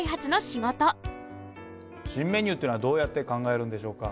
新メニューっていうのはどうやって考えるんでしょうか？